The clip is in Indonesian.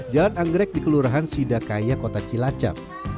jalan anggrek di kelurahan sidakaya kota cilacap